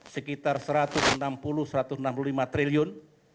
sekitar rp satu ratus enam puluh satu ratus enam puluh lima triliun